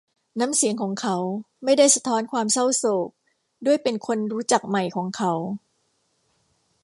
น้ำเสียงของเขาไม่ได้สะท้อนความเศร้าโศก ด้วยเป็นคนรู้จักใหม่ของเขา